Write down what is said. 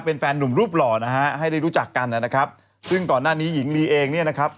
เป็นแฟนนุ่มรูปหล่อไว้ให้ได้รู้จักกันซึ่งก่อนหน้าหนิหญิงลีเองนะครับ